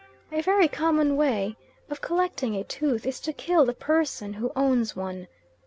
A very common way of collecting a tooth is to kill the person who owns one.